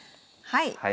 はい。